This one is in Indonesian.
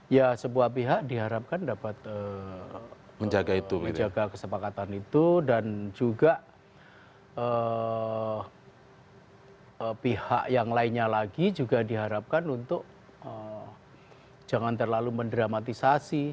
ya sebuah pihak diharapkan dapat menjaga kesepakatan itu dan juga pihak yang lainnya lagi juga diharapkan untuk jangan terlalu mendramatisasi